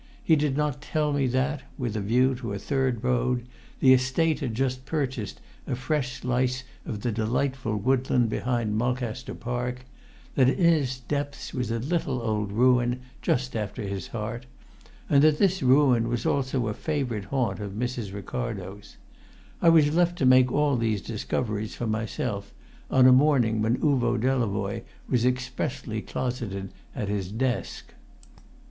He did not tell me that, with a view to a third road, the Estate had just purchased a fresh slice of the delightful woodland behind Mulcaster Park; that in its depths was a little old ruin, just after his heart, and that this ruin was also a favourite haunt of Mrs. Ricardo's. I was left to make all these discoveries for myself, on a morning when Uvo Delavoye was expressly closeted at his desk.